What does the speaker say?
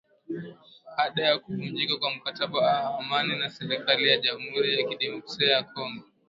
baada ya kuvunjika kwa mkataba wa amani na serikali ya Jamhuri ya kidemokrasia ya Kongo